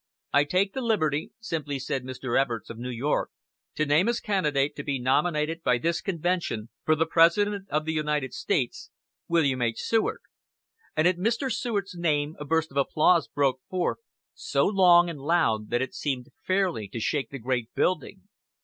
"I take the liberty," simply said Mr. Evarts of New York, "to name as a candidate to be nominated by this convention for the office of President of the United States, William H. Seward," and at Mr. Seward's name a burst of applause broke forth, so long and loud that it seemed fairly to shake the great building.